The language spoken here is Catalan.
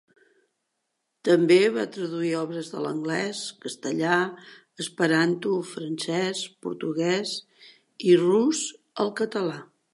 També va traduir obres de l'anglès, castellà, esperanto, francès, portuguès i rus al català.